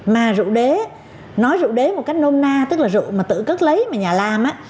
mà rượu đế nói rượu đế một cách nôn na tức là rượu mà tự cất lấy mà nhà làm